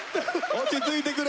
落ち着いてくれ。